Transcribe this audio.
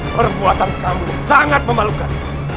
perbuatan kamu sangat memalukan